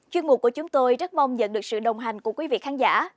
chuyên mục của chúng tôi rất mong nhận được sự đồng hành của quý vị khán giả